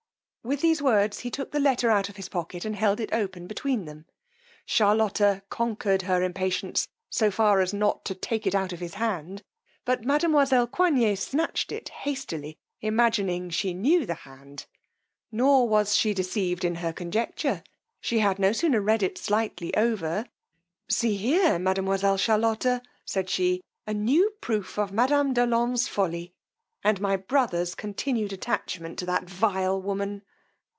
With these words he took the letter out of his pocket and held it open between them: Charlotta conquered her impatience so far as not to take it out of his hand; but mademoiselle Coigney snatched it hastily, imagining she knew the hand; nor was she deceived in her conjecture: she had no sooner read it slightly over; see here, mademoiselle Charlotta, said she, a new proof of madam de Olonne's folly, and my brother's continued attachment to that vile woman.